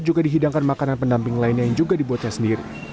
juga dihidangkan makanan pendamping lainnya yang juga dibuatnya sendiri